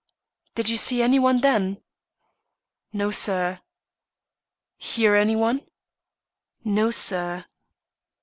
"Did you see any one then?" "No, sir." "Hear any one?" "No, sir."